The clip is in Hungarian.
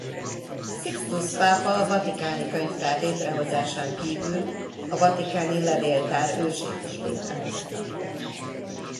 Szixtusz pápa a vatikáni könyvtár létrehozásán kívül a vatikáni levéltár ősét is létrehozta.